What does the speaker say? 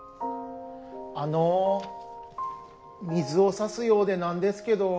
あのう水を差すようでなんですけど。